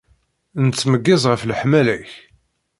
Nettmeyyiz ɣef leḥmala-k.